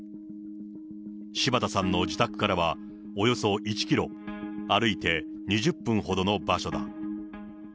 柴田さんの自宅からは、およそ１キロ、歩いて２０分ほどの場所だ。